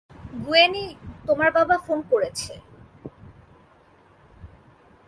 গুয়েনি, তোমার বাবা ফোন করেছে।